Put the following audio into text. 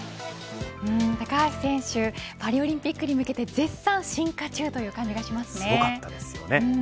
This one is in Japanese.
高橋選手パリオリンピックに向けて絶賛進化中というすごかったですよね。